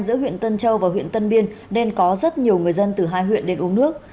giữa huyện tân châu và huyện tân biên nên có rất nhiều người dân từ hai huyện đến uống nước